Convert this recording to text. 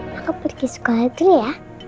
maka pergi sekolah itu ya